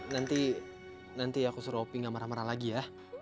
nanti nanti aku suruh oping gak marah marah lagi ya